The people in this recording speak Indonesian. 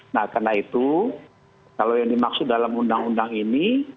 nah karena itu kalau yang dimaksud dalam undang undang ini